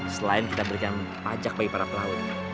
selain kita berikan pajak bagi para pelaut